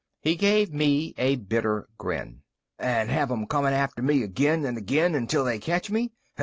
He gave me a bitter grin. "And have 'em coming after me again and again until they catch me?